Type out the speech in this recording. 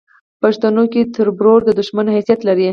پښتنو کې تربور د دوشمن حیثت لري